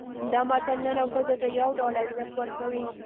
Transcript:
دا متل نر او ښځې ته یو ډول ارزښت ورکوي